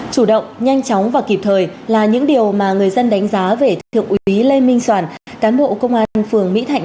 chủ động nhanh chóng và kịp thời là những điều mà người dân đánh giá về thượng úy lê minh soản cán bộ công an phường mỹ thạnh